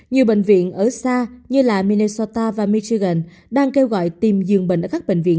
nhiều bệnh viện ở xa như minesota và michigan đang kêu gọi tìm dường bệnh ở các bệnh viện